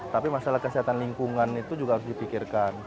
tapi masalah kesehatan lingkungan itu juga harus dipikirkan